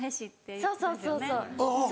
そうそうそうそう